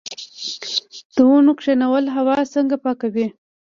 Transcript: د ونو کینول هوا څنګه پاکوي؟